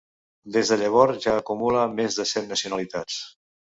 Des de llavors ja acumula més de cent nacionalitats.